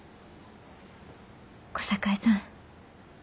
小堺さん。